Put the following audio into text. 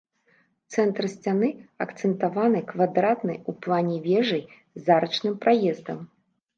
Цэнтр сцяны акцэнтаваны квадратнай у плане вежай з арачным праездам.